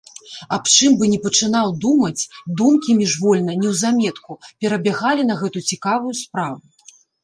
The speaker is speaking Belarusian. Аб чым бы ні пачынаў думаць, думкі міжвольна, неўзаметку перабягалі на гэту цікавую справу.